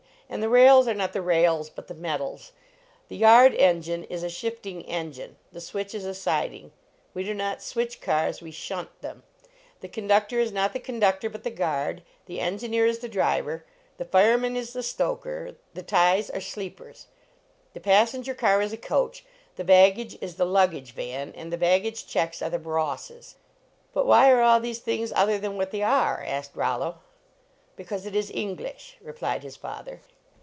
And the rails are not the rails, but the metals. The yard engine is a shifting engine ; the switch is a siding; we do not switch cars, we shunt them ; the conductor is not the conductor, but the guard; the engineer is the driver; the fireman is the stoker ; the ties are sleepers ; the passenger car is a coach ; the baggage is 88 LEARNING TO TRAVEL the luggage van, and the baggage checks are the brawsses." " But why are all these things other than what they are? " asked Rollo. " Because it is English," replied his father.